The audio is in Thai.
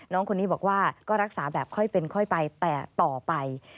น้องคนนี้บอกว่าก็รักษาแบบค่อยเป็นค่อยไปแต่ต่อไป